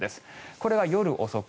これは夜遅く。